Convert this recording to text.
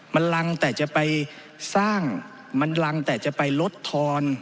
มันรังแต่จะไปสร้างมันรังแต่จะไปลดทอน